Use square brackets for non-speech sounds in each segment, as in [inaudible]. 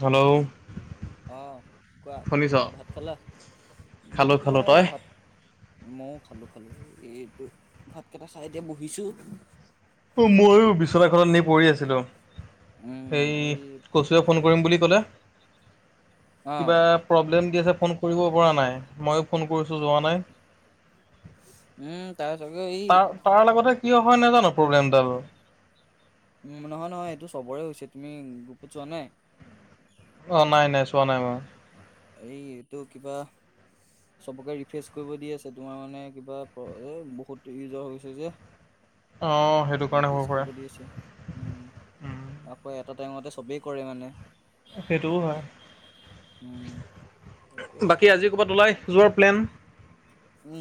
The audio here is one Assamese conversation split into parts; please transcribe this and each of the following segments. হেল্ল' অঁ কোৱা শুনিছ? ভাত খালা খালোঁ মই খালোঁ, তোমাৰ তই? এইয়া ভাত মইও খালো খালো এইটো ভাত কেইটা চাই এতিয়া বহিছো মইও বিচনা খনত ইনেই পৰি আছিলো উম সেই এই কচু এ ফোন কৰিম বুলি ক'লে অ কিবা প্ৰব্লেম আছে ফোন কৰিব পৰা নাই ময়ো ফোন কৰিছো যোৱা নাই হ তাৰ তাৰ লগতে কিয় হয় নাজানো প্ৰব্লেমডাল উম নহয় নহয় এইটো চবৰে হৈছে তুমি গ্ৰুপত চোৱা নাই। অ', নাই নাই চোৱা নাই মই। এই এইটো কিবা চবকে ৰিফ্ৰেচ কৰিব দি আছে তোমাৰ মানে কিবা বহুত ইউজৰ হৈছে যে। অ' সেইটো কাৰণে হ'ব ৰিফ্ৰেৰ্চ পাৰে। কৰিব দি আছ উম আকৌ এ এটা টাইমতে সবেই কৰে মানে। সেইটো হয়। উম তাকে বাকী এতিয়া আজি ক'ৰবাত ওলাই যোৱাৰ প্লেন।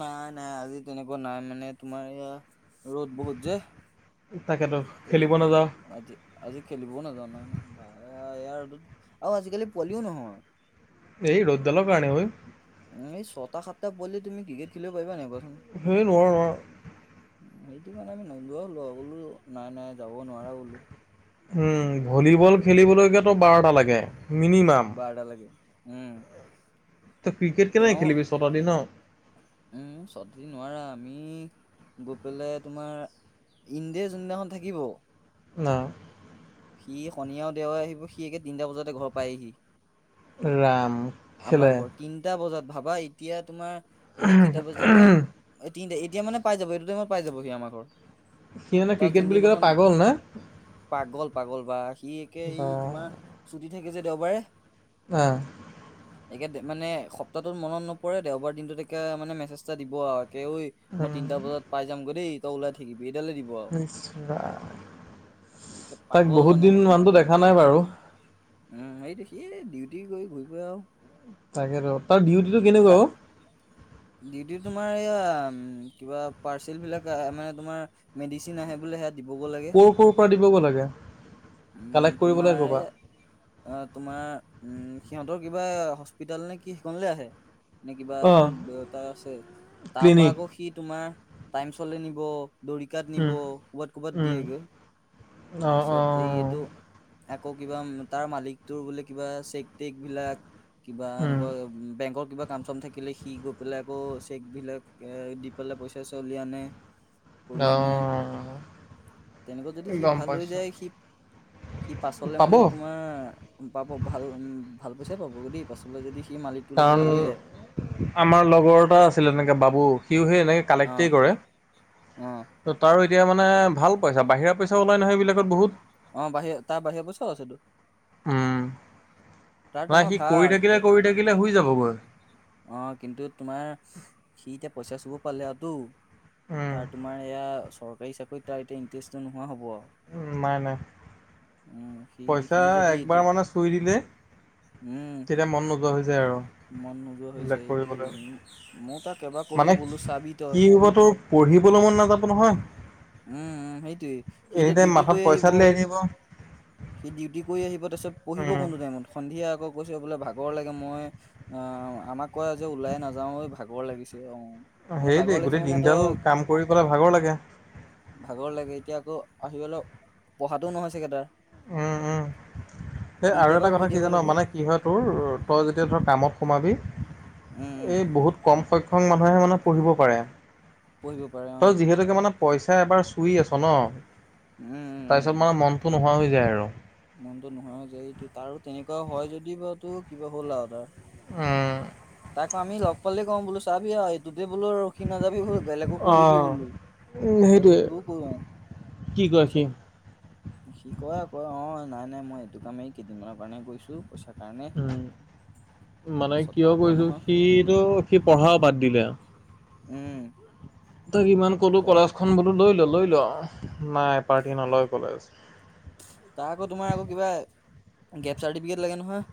নাই নাই আজি তেনেকুৱা নাই মানে তোমাৰ ইয়া ৰ'দ বহুত যে। তাকেতো আজি খেলিব ঘ নাযাওঁ। আজি আজি খেলিবও নাজানো ন নয়, ইয়াৰ ৰ'দত আৰু আজিকালি পোৱালিও নহয়। এই ৰ'দদালৰ কাৰণে ঐ। এই ছটা সাতটা পোৱালীয়ে তমি ক্ৰিকেট খেলিব পাৰিবা নি কোৱা হেইন ৰ সেইটো কাৰণে আমি নোযোৱা হ'লো বোলো নাই নাই যাব নোৱাৰা বোলো। উম ভলীবল খেলিবলৈকেতো বাৰটা লাগে। মিনিমাম। বাৰটা লাগে উম। তই ক্ৰিকেট কেনেকে তেওঁ খেলিবি ছটা দিন আৰু তুমি গৈ পেলাই তোমাৰ ইণ্ডিয়ে যোনদিনাখন থাকিব ন'। সি শণী আৰু দেও আহিব সি একে তিনিটা বজাতে ঘৰ পায়হি। ৰাম। খেলে আমাৰ ঘৰ তিনটা বজাত ভাবা এতিয়া তোমাৰ এতিয়া কেইটা বাজিলে তি এতিয়া মানে পাই যাব এইটো টাইমত পাই যাবহি আমাৰ ঘৰ। সি মানে তাৰ ক্ৰিকেট বুলি ক'লে যোনদিনাখন পাগল না। পাগল পাগল বা সি একে বা এই তোমাৰ ছুটি থাকে যে দেওবাৰে আহ। একে মানে সপ্তাহটোত মনত নপৰে দেওবাৰ দিনটোতে মানে মেছেজটা দিব আৰু। অই মই তিনিটা বজাত পাই যামগৈ দেই তই ওলাই থাকিবি। এইডালে দিব আৰু ইছ সি একে তাক পাগল বহুত মানে দিন মানুতো দেখা নাই বাৰু। হেৰি দে সি ডিউটি গৈ ঘূৰি ফুৰে আৰু। তাকেইেতো তাৰ ডিউটিটো কেনেকুৱা অ'। ডিউতি তোমাৰ এয়া কিবা পাৰ্চেল বিলাক মানে তমাৰ মেডিচিন আহে দিবগৈ লাগে ক'ৰ ক'ৰ পৰা দিবগে লাগে। কালেক্ট উম কৰিব লাগে ক'ৰ পৰা? তোমাৰ তোমাৰ উম সিহঁতৰ কিবা হস্পিতেল নে কি সেইখনলে আহে নে কিবা অ' এখন তাৰ তাৰ পৰা ক্লিনিক আকৌ সি তোমাৰ টাইম চলে নিব দৰিকাত নিব উম ক'ৰবাত ক'বাত উম দিয়েগৈ অ' তাৰপিছত এই অ' এইটো আকৌ কিবা তাৰ মালিকটোৰ বোলে কিবা চেক টেক বিলাক কিবা উম এনেকুৱা বেংকৰ কিবা কাম চাম থাকিলে সি পেলাই আকৌ, চেকবিলাক দি পেলাই পইচা চইচা উলিয়াই আনে। কৰি আনে অ'। তেনেকুৱা যদি সি গম ভাল হৈ পাইছোঁ। যায় সি সি পাছলে পাব মানে তোমাৰ পাব ভাল উম ভাল পইচা পাবগৈ দেই পাছলে যদি সি মালিকটোৰ লগত কাৰণ ভাল হৈ যায় আমাৰ লগৰ এটা আছিলে এনেকে বাবু উ সেই এনেকৈ অ কালেক্টেই কৰে। অ ত' তাৰ এতিয়া মানে ভাল পইচা, বাহিৰা পইচা ওলাই নহয় এইবিলাকত বহুত। অ', বাহিৰৰ তাৰ বাহিৰৰ পইছাও আছেটো। ন সি কৰি থাকিলে কৰি থাকিলে হৈ যাব অ কিন্তু তোমাৰ সি এতিয়া পইচা চকু পালেটো উম, তাৰ তোমাৰ চৰকাৰী চাকৰিত তাৰ এতিয়া ইণ্টাৰেষ্টটো নোহোৱা হ'ব উ নাই নাই উম সি সি পইচা যদি এইটো একবাৰ মানে চুই দিলে উম ছে আৰু মন নোযোৱা হৈ বলে যায় এইটোৱে কৰিবলৈ উম, ময়ো তাক এবাৰ কলো মানে বোলো চাবি তই কি হবতো পঢ়িব ভ মন নাযাব নহয় উ উম উম সেইটোৱে সি এনি এতিয়া টাইম ডিউটি মাথাত কৰি পইচা আহিব দিলে এৰি দিব। সি ডিউটি কৰি আহিব ত প়িব উম, কোনো টাইমত সন্ধিয়া আকৌ কৈছো বোলে ভাগৰ লাগে মই অ আমাক কয় যে ওলাই নাযাও ভাগৰ লাগিছে অ মানে সেই ভাগৰ দেই লাগিছে গোটেই মানে দিনডাল তই কাম কৰি পেলাই ভাগৰ লাগে ভাগৰ লাগে এতিয়া আকৌ আহি অলপ পঢ়াটোও নহয় চাগে তাৰ উম উম এ সি আৰু এতিয়াৰ এটা পৰাই কথা পঢ়ি কি থাকিব জানো লাগিব উম মানে কি হয় তোৰ তই যেতিয়া ধৰ কামত সোমাবি উম এই বহুত কম সংখ্যক মানুহে মানে পঢ়িব পাৰে পঢ়িব পাৰে অ তই যিহেতুকে মানে পইচা এবাৰ চুই আছ ন তাৰপিছত মানে মনটো নোহোৱা হৈ যায় আৰু মনতো নহয় যে এই ত আৰু তেনেকুৱা হয় যদি বাৰু তো কিবা হ'ল আৰু তাৰ আহ তাকো আমি লগ পালে কওঁ বোলো চাবি অ এইটো গোেই বোলো ৰখি নাযাবি বোলো বেলেগো কৰিবি অ', বোলো তাক সেইটোৱে সেইটোও কৰো কি কয় সি তাৰাছত সি কয় আকৌ অ নাই নাই মই এইটো কামেই কেইদিনমানৰ কাৰণে কৰিৈছো পইচাৰ কাৰণে উম, মানে পাছত কিয় পাব কৰিছো নহয় সিটো সি পঢ়াও বাদ দিলে আৰু উম তাক ইমান ক'লো প- কলা খখন বোলো লৈ ল'লো লৈ লোৱা নাই পাৰ্টি নলয় কলেজ তাৰ আকৌ তোমাৰ আকৌ কিবা গেপ চাৰ্টিফিকেট লাগে নহয়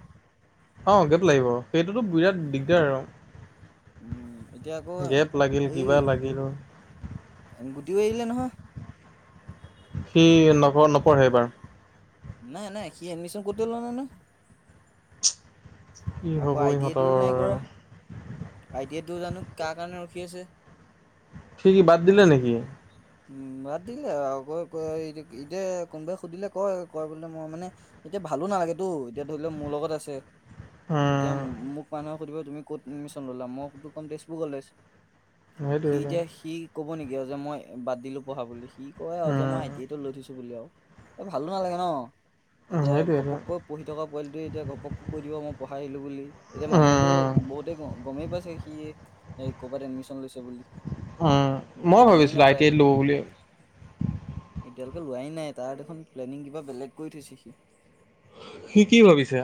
অ গেত লাগিব সেইটোতো বিৰাট দিগদাৰ আৰু উম এতিয়া আকৌ গেপ লাগিল কিবা লাগিল গুটাইিলে নহয় সি নক নপঢ়েবাৰু নাই নাই সি এডমিচন কৰ ল নাই নহ কি আকৌ হ'ব আই টি আই ইহঁতৰ টোো নাই কৰা আই টি আই তো জানো কাৰ কাৰণে ঠঠিক আছে িক কি বাদ দিলে নেকি উম ৰাাত দিলে আৰু ক এতিয়া কোনোবাই সুধিলে কয় কয় বোলে মই মানে এতিয়া ভালো নালাগেতো এতিয়া ধৰি লও মোৰ লগত আছে এতিয়া উম, মোক মানুহে সুধিব তুমি ক'ত এডমিশ্যন ললা মইো ক'ম তেজপুৰ কলেজ সি সেইটোৱে এতিয়া সি কব নেকি আৰু যে মই বাদ দিলো পঢ়া বুলি কি কয় অ যে মই উম। এতিটোো লৈ থৈছো বুলি আৰু এই ভালো নালাগে ন উম, এতিয়া সেইটোৱেটো ঘপককৈ পঢ়ি থকা পোৱালিটোোৱে এতিয়া ঘপককৈ কৈ দিব মই পঢ়াই আহিলো বুলি এতিয়া মানুহেতো উম, বহুতে গমেই পাইছে সি কৰ'বাত এডমিশন লৈছে বুলি উ বহুতে মই গমেই ভাবিছিলো আই টি নাপায় আইত লব বুলি এতিয়ালোকে লোৱাই নাই তাৰ দেখোন প্লেনিং কিবা বেলেগ কৰি থৈছে সি স কি ভাবিছে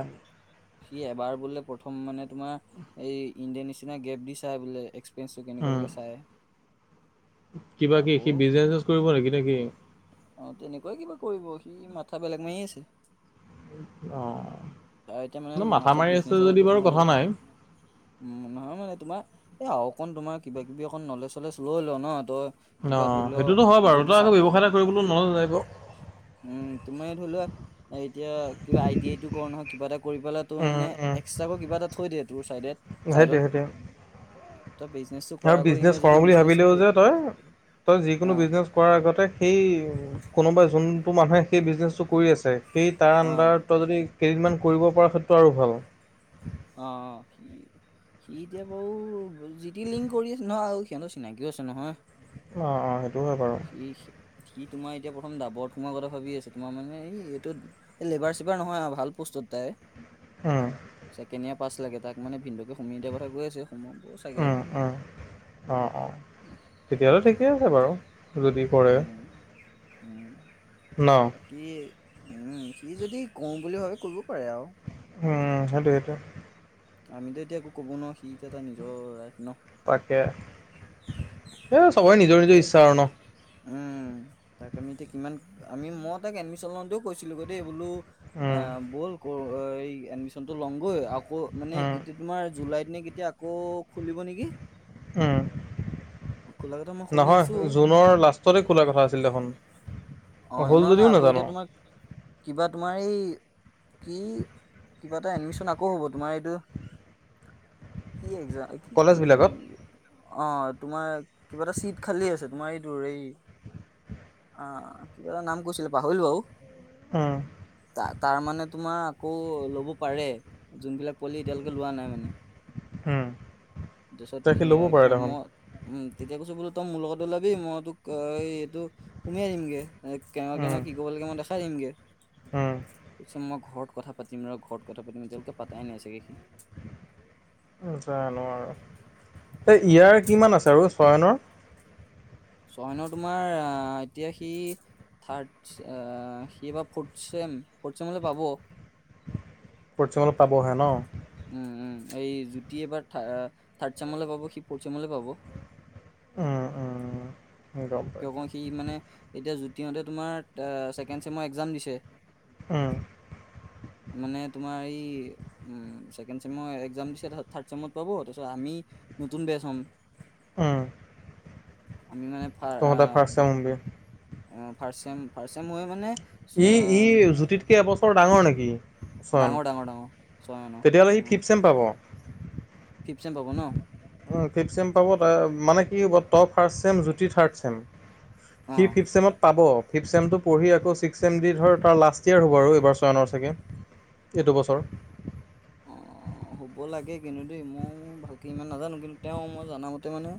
সি এবাৰ বোলে প্ৰথম মানে তোমাৰ এই ইণ্ডিয়ান এছিয়ানে গেপ দি চাই বোলে এক পিচু কিন উম, গলকে চায়। কিবা কি সি বিজনেচছ কৰিব নেকি- নেকি? অ, তেনেকুৱাই কিবা কৰিব সি মাথা বেলেগ মাৰি আছে। অ, তাৰ এতিয়া মানে ন মাথা মাথাত মাৰি আছে বিজনেছৰ এইটো যদি বাৰু সোমাই গ'ল কথা নাই। উম, নহয় মানে তোমাৰ এই অকণ তোমাৰ কিবা কিবি অকণ নলেজ চলেজ লৈ ল ন তই অ, কিবা ধৰি ল সেইটোতো হয় বাৰু যদি তই আকৌ চাকৰি ব্যৱসায় এটা কৰিবলৈ নলযায়িব। উম তুমি ধৰি লোৱা এতিয়া কিবা আইডিইটো কৰো নহয় কিবা এটা কৰি পেলাই তোৰ উম, মানে উম, এক্সট্ৰাক কিবা এটা থৈ দিয়ে তোৰ চাইড- সেইটোৱে চাইডত। সেইটোৱে তই বিজনেচটো কৰাৰ আৰু আগত বিজনেছ এনে কৰোঁ যদি বুলি ভাবিলেও বিজনেচটো যে তই তই যিকোনো অ বিজনেছ কৰাৰ আগতে সেই কোনোবা যোন কোন মানুহে সেই বিজনেছটো কৰি আছে সেই তাৰ অ আণ্ডাৰত যদি কেইদিনমান কৰিব পৰা সেইটো আৰু ভাল। অ', সি এতিয়া বাৰু জি টি লিংক কৰি আছে নহয় সিহতৰ চিনাকিও আছে নহয়। অ - অ সেইটো হয় বাৰু। সি সি সি তোমাৰ এতিয়া প্ৰথম দাবৰত সোমোৱাৰ কথা ভাবি আছে তোমাৰ মানে এই এইটো এ লেবাৰ চেবাৰ নহয় ভাল প চত হম, পাছ লাগে তাক মানে ভিনন্দুকে সুমি দিয়া কথা কৈ আছে সোম ব চাগে। উম, উম। অ - অ তেতিয়'লে ঠিকেই সি আছে এতিয়া বাৰু যদি কৰে। উম উম, ন? বাকী উম সি যদি কও বুলি ভাবে কব উম, সেইটোৱ - সেইটোৱ। আমিতো এতিয়া একো ক'ব নোৱাৰো সি এটা নিজৰ ৰাই তাকে এ চবৰে তাকে নিজৰ - এতিয়া নিজৰ ইচ্ছা আৰু ন। তাক আমি এতিয়া কিমান আমি মই তাক এডমিশ্যন লওতেও কৈছিলোগৈ দেই বোলো এ উম, ব'ল ক এই এডমিশনতটো লমগৈ আকৌ মানে উম, এতিয়া তোমাৰ জুলাই দিনে এতিয়া খুলিব নেকি। উম। খোলা কথা মই শুনি নহয় আছো জুনৰ লাষ্টতে খোলাৰ কথা আছিল দেখোন। অ, হ'ল এনেহে যদিও আকৌ এতিয়া নাজানো। তোমাৰ কিবা তোমাৰ এই কি- কিবা এটা এডমিশন আকৌ হ'ব। তোমাৰ এইটো কি এক কি - কি? কলেজবিলাকত অ, তোমাৰ কিবা এটা চিট খালি আছে তোমাৰ এইটো এই অ, কিবা এটা নাম কৈছিলে পাহুল বু উম, ত, তাৰ মানে তোমাৰ আকৌ লব পাৰে যোনবিলাক পলি এতিয়ালৈকে লোৱা নাই মানে উম, তাৰপিছত তাকে ল'ব স পাৰে সিৰ্ম দেখোন উম, তেতিয়া কৈছো বোলো তই মোৰ লগত ওলাবি মই তোক এইটো সুমিয়াই দিমগে। এই কেনো কো উম, কি ক' লাগে মই দেখাই দিমগৈ উম। কছে মই ঘৰত। ৰত কথা পাতিম ৰ ঘৰত কথা পাতিম এতিয়ালৈকে পাতাই নাই চাগে সি জানো আৰু এই ইয়াৰ কিমান আছে আৰু চয়নৰ চহনৰ তোমাৰ আহ এতিয়া সি থাৰ্ড সি বা ফৰ্থ চম - ফৰ্থ চম হলে পাব। কিছুমান পাবহে ন। উম - উম এই জুতি এবাৰ থাৰ্ড চেমলৈ পাব স ফৰ্থ চেমলৈ পাব। উম - উম। গম কিয় কও পাইছোঁ। সি মানে এতিয়া যতিহতে তোমাৰ ছেকেণ্ড চেম এক্সাম দিছে। উম, মানে তোমাৰ এই উম, ছেকেণ্ড চেমৰ একাম দিছে তাৰত থাৰ্ড চেমত পাব তাৰপিছত আমি নতুন বেচ'ম উম আমি তহত ফাৰ্ষ্ট চেম হবি। অ, ফাৰ্ষ চেম - ফাৰ্ষ চেম হয় মানে চ- ই-ই জুতিতকে এবছৰ ডাঙৰ নেকি? ডাঙৰ ডাঙৰ ডাঙৰ ছয় ন মানৰ তেতিয়াহ'লে সি ফিফ চেম পাব ফিপচেম পাব ন। অ' ফিফ চেম পাব মানে, কি হ'ব top first sem Jyoti third sem. অ সি ফিফথ চেমত পাব। ফিথ ছেমটো পঢ়ি আকৌ ছিক্স ছেম দি ধৰ তাৰ লাষ্ট ইয়ে হ'ব আৰু এইবাৰ ছয়াননৰ চাগে। এইটো বছৰ, অ' হ'ব লাগে কিন্তু দেই মই ভালকে ইমান নাজানো কিন্তু তেওঁ মই জামতে মানে,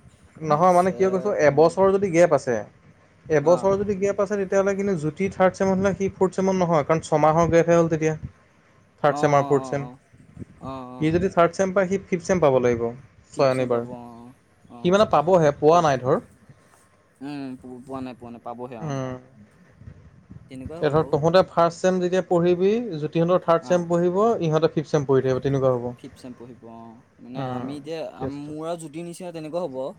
নহয় ইচ মানে কিয় কৈছো এবছৰৰ যদি গেপ আছে অ এবছৰ যদি গেপ আছে তে তেতিয়াহলে কিন্তু জুতি থাৰড চেমত সি ফৰ্থ চেমত নহয়। কাৰণ ছমাহৰ গে হ'ল তেতিয়া। থাৰ্ড অ অ চেম আৰু ফ'ৰ্থ চেম অ অ অ ইি যদি থাৰ্ড চেম পায় সি ফিফথ চেম পাব লাগিব। চয়ন ফিপচেন এইবাৰ পাব অ-অ' সি মানে পাবহে পোৱা নাই ধৰ। উম পো- পোৱা নাই পোৱা নাই পাবহে অ তেনেকুৱাই এ হ'ব ধৰক বাৰু তহঁতে ফাৰ্ষ্ট ছেম যেতিয়া পঢ়িবি। ইহঁতৰ থাৰ্ড অ চেম পঢ়িব ইহঁতৰ ফিফ চেম পঢ়ি থাকিব তেনেকুৱা হ'ব। ফিফ চেম পঢ়িব অ' মানে আমি এতিয়া কেছটো মোৰ আৰু জ্যোতি নিচিনা তেনেকুৱা হ'ব আৰু।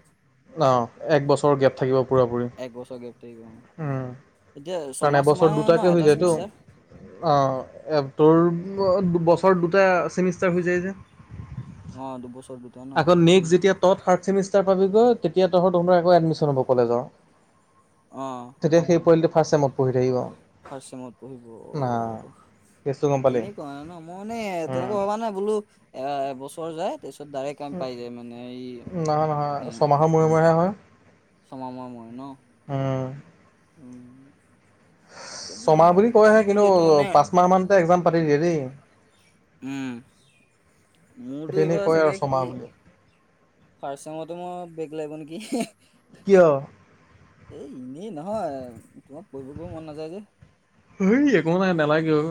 অ' এক বছৰ গেপ। থাকিব পুৰা পুৰি, একবছৰ গেপ থাকিব অ' উম এতিয়া কাৰণ ছমাহ এবছৰ ছমাহে ন দুটাকে হৈ এটা যায়তো চেমিষ্টাৰ অ' তোৰ বছৰ দুটা চেমিষ্টাৰ হৈ যায় যে। অ' দুবছৰ দুটা ন আকৌ নেক্স যেতিয়া ত থাৰ্ড ছেমিষ্টাৰ তেতিয়া, তহঁতৰ আকৌ এডমিশন হব ক'লেজৰ অ' তেতিয়া সেই পোৱালিটোৱে, ফাৰ্ষ্টেমত পঢ়ি থাকিব। ফাৰ্ষ্ট চেমত না পঢ়িব। কেছটো গম পালি? তেনেকুৱা ন মই মানে উম, তেনেকুৱা ভবা নাই বোলো এ এবছৰ যায়। তাৰপিছত ডাইৰেক্ট কাম পাই যায় মানে এই নহয়-নহয় ছমাহৰ মূৰে-মূৰেহে হয়। চমা মোৰে-মোৰে ন। উম। অ' ছমাহ বুলি কয়হে কিন্তু এইটো মানে পাঁচমাহ মানতে এক্জাম পাতি দিয়ে দেই। উম' মোৰতো সেইটো এনেই এইবাৰ কয় আৰু চাগে ছমাহ কি বুলি। ফাৰ্ষ্ট চেমটো মই লব নেকি, কিয়? এ এনেই নহয় তোমাক পঢ়িব মন নাযায় যে। হেই একো নাই, নালাগেও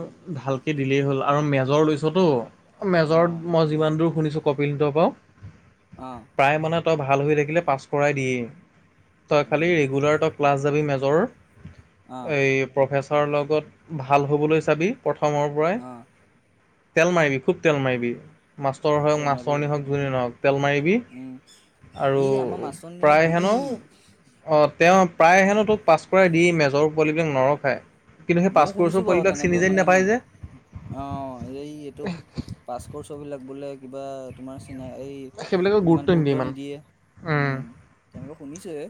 ভালকে দিলেই হ'ল আৰু মেজৰ লৈছ তো। মেজৰত অ', মই যিমান দূৰ শুনিছোঁ কপিলতৰ পৰাও অ', প্ৰায় মানে। তই ভাল হৈ থাকিলে পাছ কৰাই দিয়ে তই খালি উম, ৰেগুলাৰ তই ক্লাছ যাবি মেজৰ। অ', এই প্ৰফেচৰৰ লগত ভাল হ'বলৈ চাবি। প্ৰথমৰ পৰাই অ', তেল মাৰিবি খুব তেল মাৰিবি। মাষ্টৰ হক তেল মাৰিব লাগিব। মাছৰনী হওক য নহওক তেল মাৰিবি উম, আৰু প্ৰায় হেনো কি? অ' তেওঁ প্ৰায় হেনো তোক পাছ কৰাই দি মেজৰ পোৱালিবিলাক নৰখায়। কিন্তু সেই ময়ো শুনিছো পাছপৰ্টৰ বাৰু পোৱালিকেটাক তেনেকৈ চিনি জানি মানে নাপায় যে, অ' এই এইটো পাছৰ্ট ছবিলাক বোলে কিবা তোমাৰ, নিনা এই ইমান গুৰুত্ব নিদিয়ে উম, তেনেকুৱা শুনিছো এ,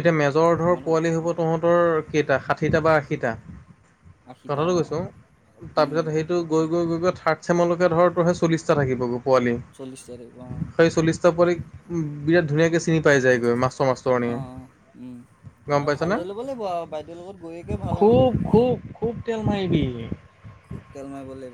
এতিয়া মেজৰৰ্ধৰ পোৱালি হ'ব তহঁতৰ কেইটা ষাঠিটা বা আশীটা। আশীটা কঠাটো অ', কৈছোঁ উম, তাৰপিছত সেইটো গৈ। গৈ-গৈ থাৰ্ড চেম লৈকে চল্লিটা থাকিব গৈ পোৱালি, চল্লিশটা থাকিব অ', সেই চল্লিটা পোৱালিক বিৰাট ধুনীয়াকে চিনি পাই যায়গৈ মাষ্টৰ মাষ্টৰণিয়ে। অ' উম, গম অ', পাইছ ভাল নে হৈ ল'ব লাগিব আৰু বাইদেউৰ লগত গৈয়েকে ভাল হ'মগৈ, খুব-খুব-খুব তেল মাৰিবি। খুব তেলমাই ব [unintelligible]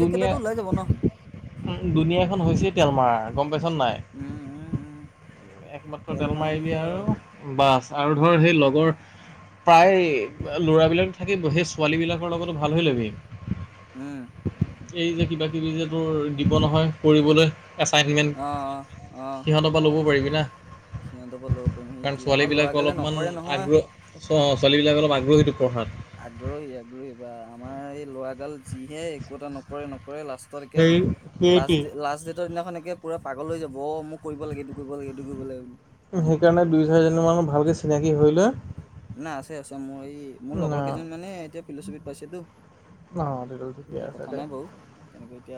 দুনীয়া, উ দুুনীয়াখন হৈছে তেলমাৰ গম পেচত নাই উম, উম, উম, [unintelligible] একমাত্ৰ তেল তেলমাৰিবি মাৰিলেহে আৰু বাছ আৰু ধৰ সেই লগৰ প্ৰায় ল'ৰাবলাক থাকিব সেই ছোৱালী বিলাকৰ লগতো ভাল হৈ ল'বি উম। এই যে কিবা কিবি যে তোৰ দিব নহয় কৰিবলৈ এছাইনমেণ্ট অ অ অ সিহঁতৰ পৰা ল'ব পাৰিবি না সিহঁতৰ পৰা ল'ব পাৰিম কাৰণ সেইটোৱে ছোৱালী আমাৰ বিলাক ল'ৰাগালে অলপমান নকৰে নহয় আগ্ৰহ ছোৱালীবাক অ আগ্ৰহী পঢ়াত আগ্ৰহী আগ্ৰহী বা আমাৰ এই লৰাগাল যিহে একো এটা নকৰে, নকৰে লাষ্টতকে সেই সেইটোৱেই লাষ্ট লা দিনাখননে একে পুৰা পাগল হৈ যাব অ মোক কৰিব লাগে এইটো কৰিব লাগে এইটো কৰিব লাগে বুলি সেইকাৰণে দুই ছয়জনী মানুহ ভালকে চিনাকি হৈ লয় না আছে আছে মোৰ এই মোৰ লগৰ কেইজনী মানে এতিয়া ফিলচফিত পাইছেতো অঁ অঁ ঠিকে আছে কথা দে নাই বাৰু তেনেকৈ এতিয়া